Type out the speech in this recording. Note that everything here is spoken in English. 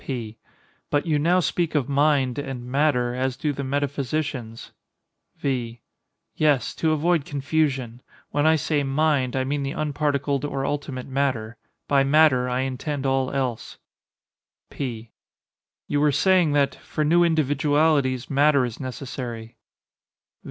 P. But you now speak of "mind" and "matter" as do the metaphysicians. V. Yes—to avoid confusion. When I say "mind," I mean the unparticled or ultimate matter; by "matter," I intend all else. P. You were saying that "for new individualities matter is necessary."